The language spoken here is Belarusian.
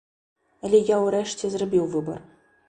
Але я ўрэшце зрабіў выбар.